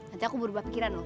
nanti aku berubah pikiran loh